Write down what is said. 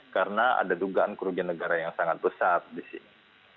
karena ada dugaan kerugian negara yang sangat besar disini